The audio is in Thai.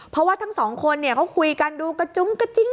เพราะว่าทั้งสองคนเขาคุยกันดูกระจุ้งกระจิ้ง